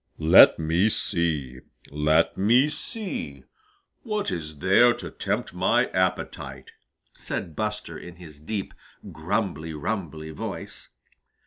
"Let me see, let me see, what is there to tempt my appetite?" said Buster in his deep, grumbly rumbly voice.